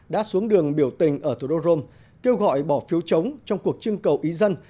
đã xuống đường biểu tình ở thủ đô rome kêu gọi bỏ phiếu chống trong cuộc trưng cầu ý dân